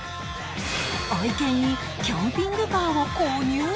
愛犬にキャンピングカーを購入？